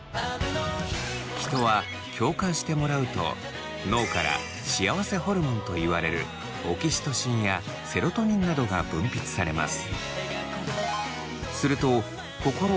人は共感してもらうと脳から幸せホルモンといわれるオキシトシンやセロトニンなどが分泌されます。